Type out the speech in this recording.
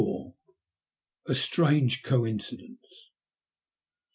A STBANGB COINCIDENCE.